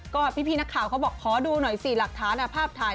ก็พี่นักข่าวเขาบอกขอดูหน่อยสิหลักฐานภาพถ่าย